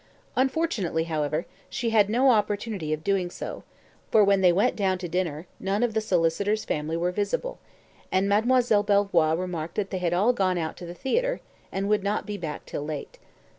Unfortunately, however, she had no opportunity of doing so, for when they went down to dinner, none of the solicitor's family were visible, and Mademoiselle Belvoir remarked that they had all gone out to the theatre, and would not be back till late.